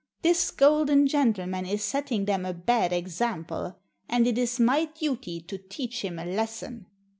This golden gentleman is setting them a bad example. And it is my duty to teach him a lesson."